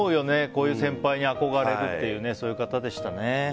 こういう先輩に憧れるっていうそういう方でしたね。